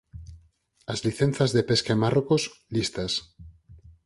As licenzas de pesca en Marrocos, listas